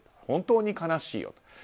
本当に悲しいよ。